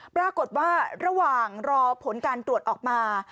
ปรากฏว่าระหว่างรอผลการตรวจออกมา